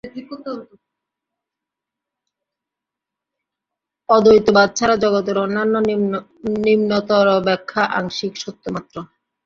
অদ্বৈতবাদ ছাড়া জগতের অন্যান্য নিম্নতর ব্যাখ্যা আংশিক সত্যমাত্র।